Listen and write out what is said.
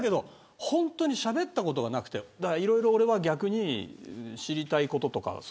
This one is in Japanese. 本当にしゃべったことがなくて逆に知りたいこととか。